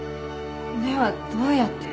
ではどうやって？